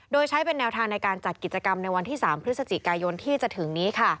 โดยใช้เป็นแนวทางในการจัดกิจกรรมในวันที่๓พฤศจิกายนที่จะถึงนี้